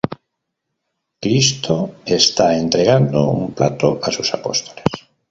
Cristo está entregando un plato a sus apóstoles.